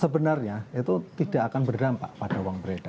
sebenarnya itu tidak akan berdampak pada uang beredar